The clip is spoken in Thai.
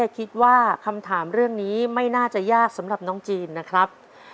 คิดว่าคำถามเรื่องนี้ไม่น่าจะยากสำหรับน้องจีนนะครับ